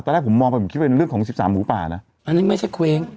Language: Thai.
แรกผมมองไปผมคิดว่าเป็นเรื่องของสิบสามหมูป่านะอันนี้ไม่ใช่เคว้ง